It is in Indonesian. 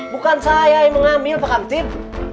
bukan saya yang mengambil pak kaptim